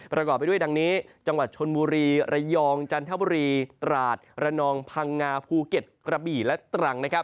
ประกอบไปด้วยดังนี้จังหวัดชนบุรีระยองจันทบุรีตราดระนองพังงาภูเก็ตกระบี่และตรังนะครับ